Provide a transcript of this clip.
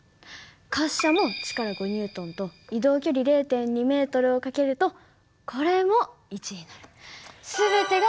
滑車も力５Ｎと移動距離０．２ｍを掛けるとこれも１になる。